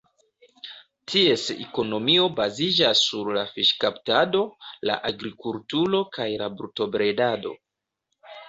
Ties ekonomio baziĝas sur la fiŝkaptado, la agrikulturo kaj la brutobredado.